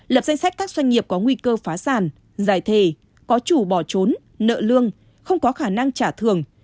lập danh sách các doanh nghiệp có nguy cơ phá sản giải thề có chủ bỏ trốn nợ lương không có khả năng trả thưởng